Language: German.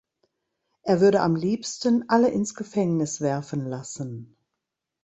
Er würde am liebsten alle ins Gefängnis werfen lassen.